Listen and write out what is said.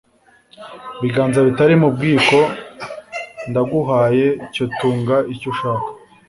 biganza bitari mu bwiko ndaguhaye cyo tunga icyo ushaka